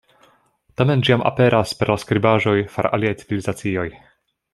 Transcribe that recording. Tamen ĝi jam aperas per la skribaĵoj far aliaj civilizacioj.